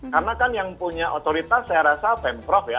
karena kan yang punya otoritas saya rasa pemprov ya